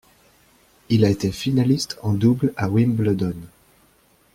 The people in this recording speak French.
Il a été finaliste en double à Wimbledon.